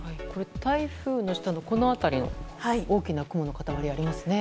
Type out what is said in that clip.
台風の下の、この辺りに大きな雲の塊がありますね。